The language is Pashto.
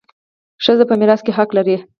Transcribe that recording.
ښځه په میراث کي حق لري.